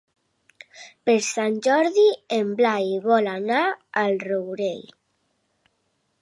Per Sant Jordi en Blai vol anar al Rourell.